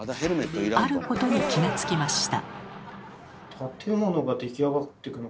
あることに気が付きました。